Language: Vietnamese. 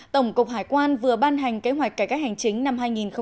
tổng cục hải quan vừa ban hành kế hoạch cải cách hành chính năm hai nghìn một mươi bảy